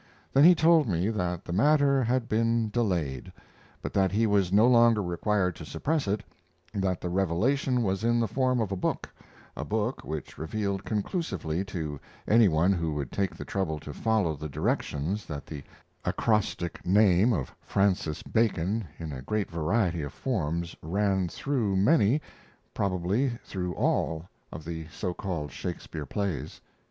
Then he told me that the matter had been delayed, but that he was no longer required to suppress it; that the revelation was in the form of a book a book which revealed conclusively to any one who would take the trouble to follow the directions that the acrostic name of Francis Bacon in a great variety of forms ran through many probably through all of the so called Shakespeare plays.